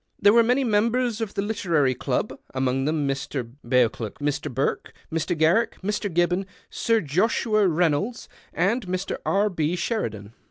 There were many members of the Literary Club, among them Mr. Beauclerk, Mr. Burke, Mr. Garriek, Mr. Gibbon, Sir Joshiui Rey nolds, and Mr. R. B. Sheridan.